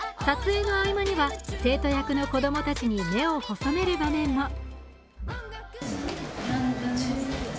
撮影の合間には生徒役の子供たちに目を細める場面も。